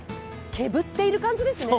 煙っている感じですね。